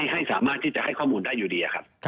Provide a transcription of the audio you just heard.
ให้สามารถที่จะให้ข้อมูลได้อยู่ดีครับ